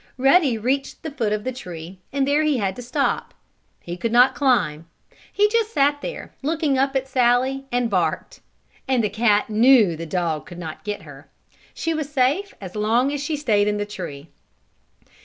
Ruddy reached the foot of the tree and there he had to stop. He could not climb. He just sat there, looking up at Sallie and barked. And the cat knew the dog could not get her. She was safe as long as she stayed in the tree.